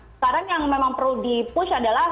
sekarang yang memang perlu di push adalah